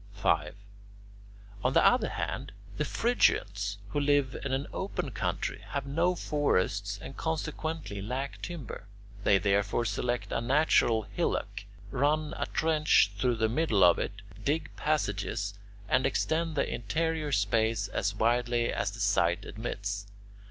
5. On the other hand, the Phrygians, who live in an open country, have no forests and consequently lack timber. They therefore select a natural hillock, run a trench through the middle of it, dig passages, and extend the interior space as widely as the site admits.